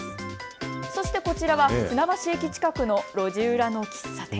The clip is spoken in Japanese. そしてこちらは船橋駅近くの路地裏の喫茶店。